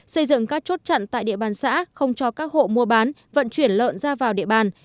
xây dựng các chốt chặn tại địa bàn xã không cho các hộ mua bán vận chuyển lợn ra vào địa bàn